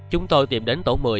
chúng tôi tìm đến tổ một mươi